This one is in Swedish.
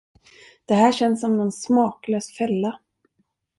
Det här känns som någon smaklös fälla.